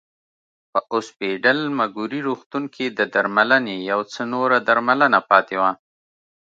په اوسپیډل مګوري روغتون کې د درملنې یو څه نوره درملنه پاتې وه.